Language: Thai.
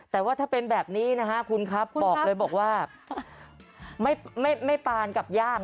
แต่ว่าถ้าเป็นแบบนี้นะฮะคุณครับบอกเลยบอกว่าไม่ปานกับย่าง